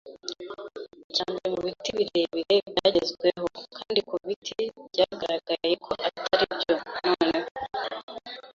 Icya mbere mu biti birebire byagezweho, kandi ku biti byagaragaye ko atari byo. Noneho